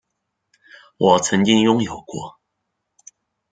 我曾经拥有过